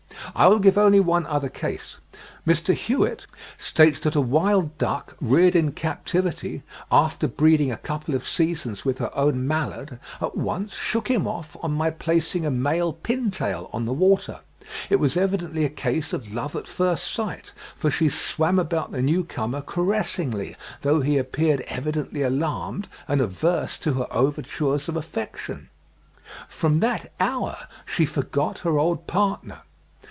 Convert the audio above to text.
I will give only one other case; Mr. Hewitt states that a wild duck, reared in captivity, "after breeding a couple of seasons with her own mallard, at once shook him off on my placing a male Pintail on the water. It was evidently a case of love at first sight, for she swam about the new comer caressingly, though he appeared evidently alarmed and averse to her overtures of affection. From that hour she forgot her old partner.